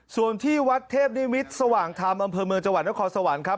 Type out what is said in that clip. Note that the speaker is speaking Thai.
ส่วนที่วัดเทพนิมิตรสว่างธรรมอำเภอเมืองจังหวัดนครสวรรค์ครับ